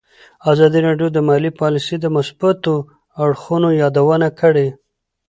ازادي راډیو د مالي پالیسي د مثبتو اړخونو یادونه کړې.